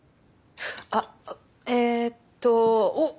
あっえっとおっワイン